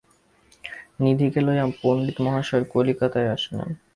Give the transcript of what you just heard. নিধিকে লইয়া পণ্ডিতমহাশয় কলিকাতায় আসিলেন।